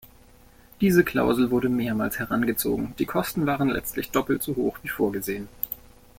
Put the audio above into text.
Diese Klausel wurde mehrmals herangezogen, die Kosten waren letztlich doppelt so hoch wie vorgesehen.